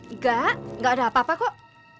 enggak enggak ada apa apa kok